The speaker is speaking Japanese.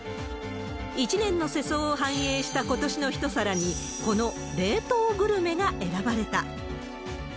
一年の世相を反映した今年の一皿に、この冷凍グルメが選ばれた。